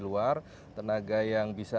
luar tenaga yang bisa